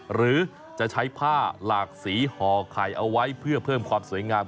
หรือจะใช้ผ้าหลากสีห่อไข่เอาไว้เพื่อเพิ่มความสวยงาม